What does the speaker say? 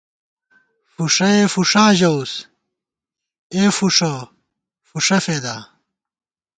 فُݭَئے فُݭاں ژَوُس ، اے فُݭہ فُݭہ فېدا